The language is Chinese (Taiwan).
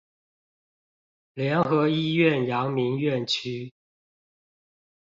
聯合醫院陽明院區